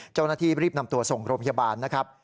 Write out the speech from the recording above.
เจ้าหน้าที่รีบนำตัวส่งโรงพยาบาลนะครับ